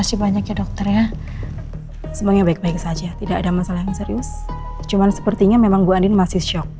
sebenarnya memang bu andien masih shock